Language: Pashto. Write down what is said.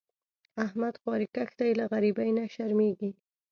احمد خواریکښ دی؛ له غریبۍ نه شرمېږي.